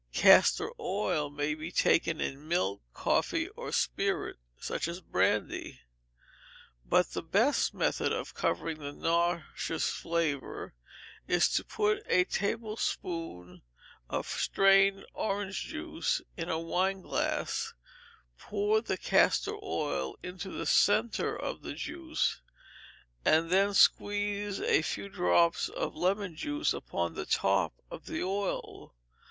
Castor oil may be taken in milk, coffee, or spirit, such as brandy; but the best method of covering the nauseous flavour is to put a tablespoonful of strained orange juice in a wineglass, pour the castor oil into the centre of the juice, and then squeeze a few drops of lemon juice upon the top of the oil.